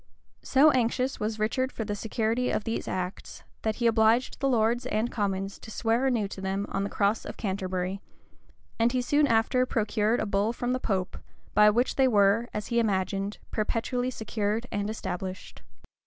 So anxious was Richard for the security of these acts, that he obliged the lords and commons to swear anew to them on the cross of Canterbury;[] and he soon after procured a bull from the pope, by which they were, as he imagined, perpetually secured and established.